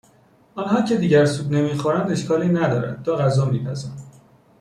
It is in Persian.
آنها که دیگر سوپ نمیخورند اشکالی ندارد دو غذا میپزم